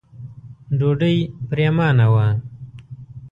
ډوډۍ پرېمانه وه.